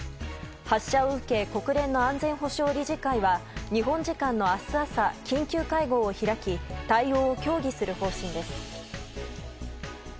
発射を受け国連の安全保障理事会は日本時間の明日朝緊急会合を開き対応を協議する方針です。